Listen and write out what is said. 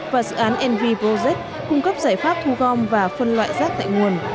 và dự án envy project cung cấp giải pháp thu gom và phân loại rác tại nguồn